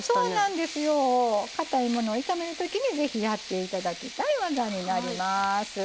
かたいものを炒めるときにぜひやって頂きたい技になります。